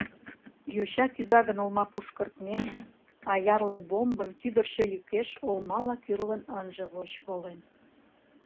Йоча кӱза гын олмапуш кыртмен, аярле бомбын кӱдырчӧ йӱкеш олмала кӱрлын ынже воч волен.